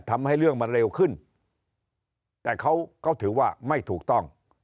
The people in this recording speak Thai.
ทำให้เรื่องมันเร็วขึ้นแต่เขาก็ถือว่าไม่ถูกต้อง